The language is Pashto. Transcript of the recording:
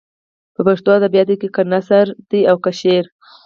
په پښتو ادبیاتو کې که نثر دی او که شعر.